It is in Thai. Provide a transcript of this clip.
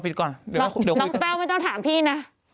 เดี๋ยวขอน้องแเปล่าไม่ต้องถามพี่นะ